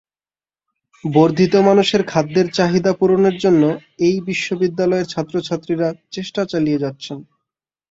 বর্ধিত মানুষের খাদ্যের চাহিদা পূরণের জন্য এই বিশ্ববিদ্যালয়ের ছাত্রছাত্রীরা চেষ্টা চালিয়ে যাচ্ছেন।